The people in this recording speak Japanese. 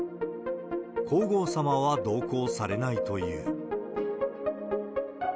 皇后さまは同行されないという。